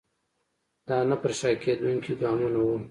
دا نه پر شا کېدونکي ګامونه وو.